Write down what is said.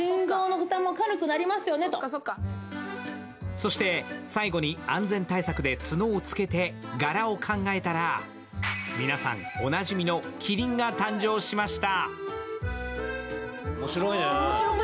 そして最後に安全対策で角をつけて柄を考えたら、皆さんおなじみのきりんが誕生しました。